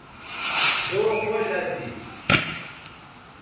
ڙھؤ خوش اسی